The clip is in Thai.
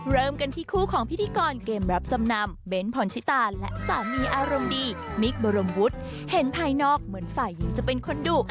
เริ่มกันที่คู่ของพิธีกรเกมรับจำนำเบ้นพรชิตาและสามีอารมณ์ดีมิคบรมวุฒิเห็นภายนอกเหมือนฝ่ายหญิงจะเป็นคนดุ